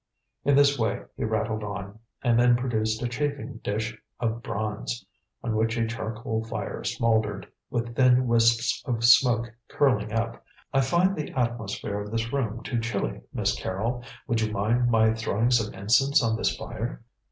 In this way he rattled on, and then produced a chafing dish of bronze on which a charcoal fire smouldered, with thin wisps of smoke curling up. "I find the atmosphere of this room too chilly, Miss Carrol. Would you mind my throwing some incense on this fire?"